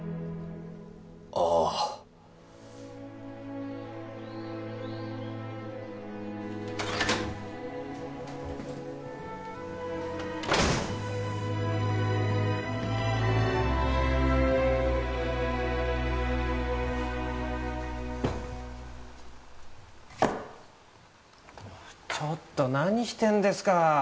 ああちょっと何してんですか